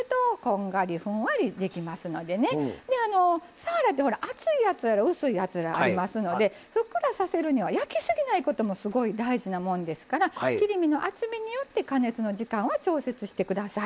さわらって厚いやつやら薄いやつやらありますのでふっくらさせるには焼きすぎないこともすごい大事なもんですから切り身の厚みによって加熱の時間は調節して下さい。